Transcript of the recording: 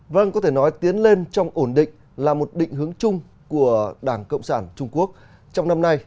vâng có thể nói tiến lên trong ổn định là một định hướng chung của đảng cộng sản trung quốc trong năm nay